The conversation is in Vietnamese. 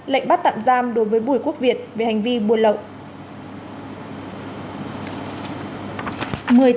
lệnh bắt tạm giam đối với bùi quốc việt về hành vi buôn lậu